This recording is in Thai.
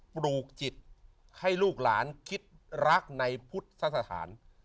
ปลูกจิตให้ลูกหลานคิดรักในพุทธสถาน